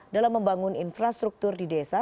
dalam membangun infrastruktur di desa